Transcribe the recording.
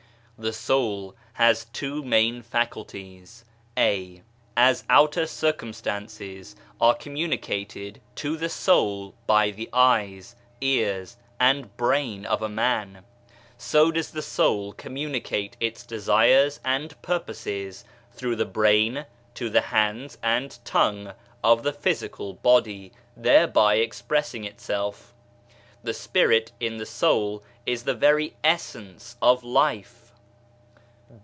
The soul has two main faculties, (a) As outer cir cumstances are communicated to the soul by the eyes, ears, and brain of a man, so does the soul communicate its desires and purposes through the brain to the hands and tongue of the physical body, thereby expressing itself. The Spirit in the soul is the very essence of Life.